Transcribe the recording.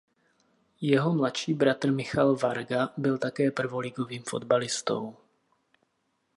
Jeho mladší bratr Michal Varga byl také prvoligovým fotbalistou.